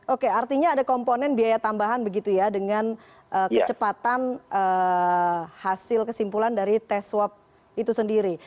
oke artinya ada komponen biaya tambahan begitu ya dengan kecepatan hasil kesimpulan dari tes swab itu sendiri